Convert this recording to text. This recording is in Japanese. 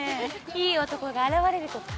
いい男が現れるとか。